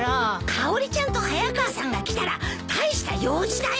かおりちゃんと早川さんが来たら大した用事だよ！